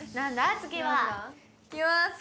次は。いきます。